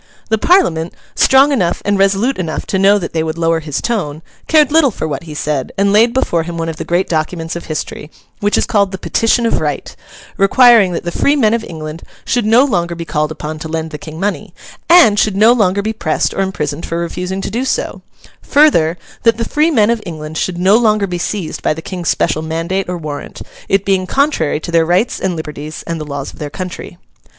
The Parliament, strong enough and resolute enough to know that they would lower his tone, cared little for what he said, and laid before him one of the great documents of history, which is called the Petition of Right, requiring that the free men of England should no longer be called upon to lend the King money, and should no longer be pressed or imprisoned for refusing to do so; further, that the free men of England should no longer be seized by the King's special mandate or warrant, it being contrary to their rights and liberties and the laws of their country.